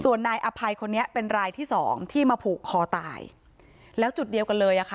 ส่วนนายอภัยคนนี้เป็นรายที่สองที่มาผูกคอตายแล้วจุดเดียวกันเลยอ่ะค่ะ